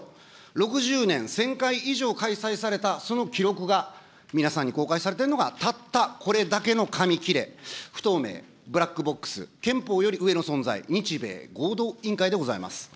６０年、１０００回以上開催されたその記録が、皆さんに公開されているのが、たったこれだけの紙切れ、不透明、ブラックボックス、憲法より上の存在、日米合同委員会でございます。